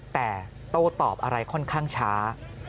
แต่โต้ตอบอะไรค่อนข้างช้า